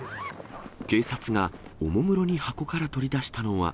警察がおもむろに箱から取り出したのは。